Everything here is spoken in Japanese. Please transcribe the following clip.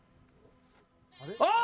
あっ！